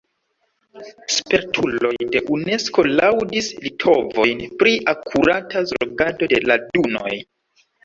Spertuloj de Unesko laŭdis litovojn pri akurata zorgado de la dunoj.